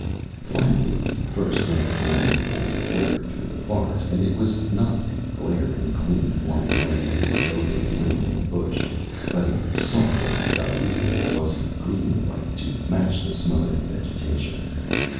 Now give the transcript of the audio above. Finally the first light of morning began to filter through the forest and it was not the glaring, clean white light of the open plain and bush, but a softened, diluted, fuzzy green light to match the smothering vegetation.